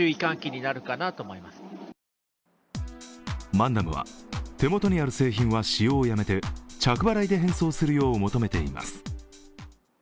マンダムは手元にある製品は使用をやめて着払いで返送するよう求めています。